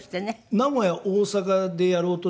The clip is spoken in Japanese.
名古屋大阪でやろうとして。